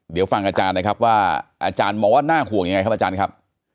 เดี๋ยวฟังอาจารย์นะครับว่าอาจารย์มองว่าน่าห่วงยังไงครับอาจารย์ครับ